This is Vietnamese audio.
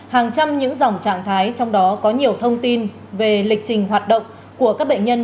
hàng trăm những dòng trạng thái trong đó có nhiều thông tin về lịch trình hoạt động của các bệnh nhân